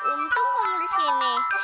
untung kamu di sini